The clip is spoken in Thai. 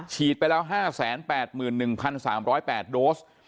ฉีดไปแล้ว๕๘๑๓๐๘โดส